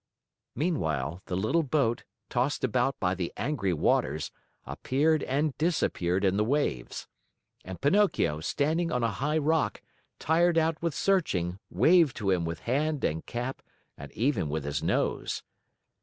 Meanwhile, the little boat, tossed about by the angry waters, appeared and disappeared in the waves. And Pinocchio, standing on a high rock, tired out with searching, waved to him with hand and cap and even with his nose.